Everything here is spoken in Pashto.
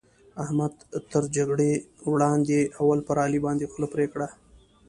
احمد تر جګړې وړاندې؛ اول پر علي باندې خوله پرې کړه.